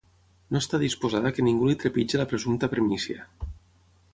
No està disposada que ningú li trepitge la presumpta primícia.